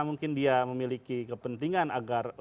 mungkin dia memiliki kepentingan agar